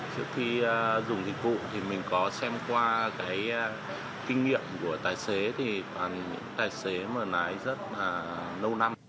trước khi dùng dịch vụ thì mình có xem qua cái kinh nghiệm của tài xế thì những tài xế mà lái rất là lâu năm